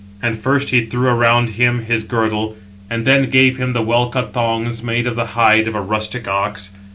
And first he threw around him his girdle, and then gave him the well cut thongs [made of the hide] of a rustic ox.